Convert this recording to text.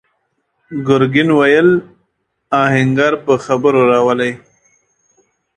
ګرګين وويل: آهنګر په خبرو راولئ!